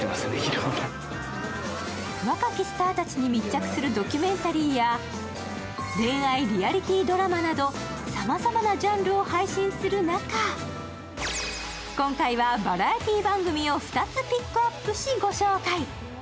若きスターたちに密着するドキュメンタリーや恋愛リアリティードラマなどさまざまなジャンルを配信する中、今回はバラエティー番組を２つピックアップし、ご紹介。